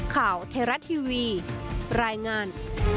ข่าวเทราะทีวีรายงาน